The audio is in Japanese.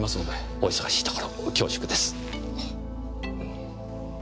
お忙しいところ恐縮です。